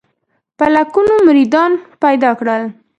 په لکونو مریدان پیدا کړل.